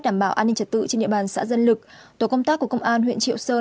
đảm bảo an ninh trật tự trên địa bàn xã dân lực tổ công tác của công an huyện triệu sơn